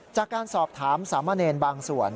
จากการสอบถามสามเณรบางส่วน